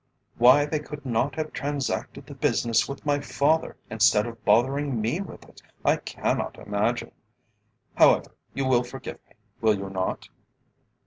Why they could not have transacted the business with my father instead of bothering me with it, I cannot imagine. However, you will forgive me, will you not?"